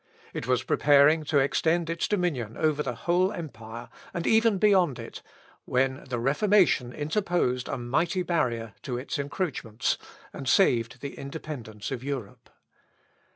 It was preparing to extend its dominion over the whole empire, and even beyond it, when the Reformation interposed a mighty barrier to its encroachments, and saved the independence of Europe.